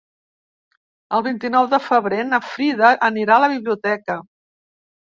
El vint-i-nou de febrer na Frida anirà a la biblioteca.